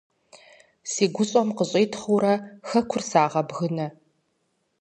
Си гущӏэм къыщӏитхъыурэ хэкур сагъэбгынэ.